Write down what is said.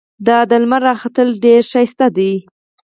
دا د لمر راختل ډېر ښکلی دي.